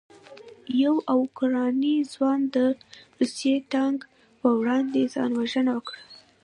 یو اوکراني ځوان د روسي ټانک په وړاندې ځان وژنه وکړه.